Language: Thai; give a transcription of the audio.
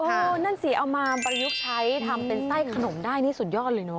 นั่นสิเอามาประยุกต์ใช้ทำเป็นไส้ขนมได้นี่สุดยอดเลยเนอ